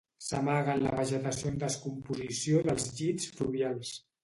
S'amaga en la vegetació en descomposició dels llits fluvials.